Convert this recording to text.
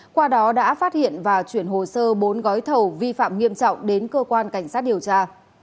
qua đó đã phát hiện và chuyển hồ sơ bốn gói thầu vi phạm nghiêm trọng đến cơ quan cảnh sát điều tra